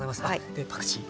でパクチー。